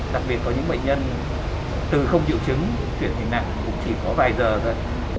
đặc biệt có những bệnh nhân từ không chịu chứng chuyển nặng cũng chỉ có vài giờ thôi